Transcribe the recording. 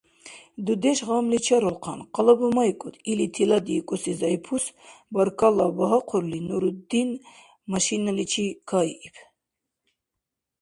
— Дудеш гъамли чарулхъан, къалабамайкӀуд, — или тиладиикӀуси Зайпус баркалла багьахъурли, Нуруттин машиналичи кайиб.